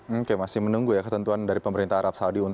oke masih menunggu ya ketentuan dari pemerintah arab saudi